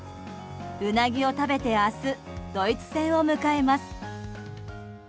ウナギを食べて明日、ドイツ戦を迎えます。